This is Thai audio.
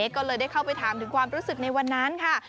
ก็เลยได้เข้าไปถามถึงความรู้สึกในวันนั้นค่ะ